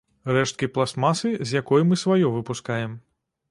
Рэшткі пластмасы, з якой мы сваё выпускаем.